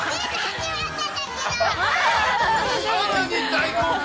大興奮！